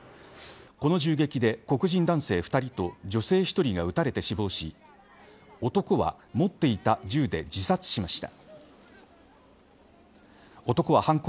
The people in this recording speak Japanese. この銃撃で黒人男性２人と女性１人が撃たれて死亡し男は持っていた銃で自殺しました。